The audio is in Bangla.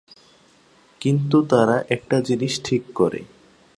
কিন্তু তারা একটা জিনিস ঠিক করে।